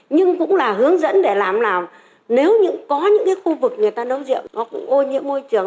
nhưng cũng là hướng dẫn để làm nào nếu có những cái khu vực người ta nấu rượu nó cũng ô nhiễm môi trường